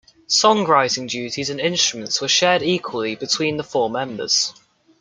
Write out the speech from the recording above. Song-writing duties and instruments were shared equally between the four members.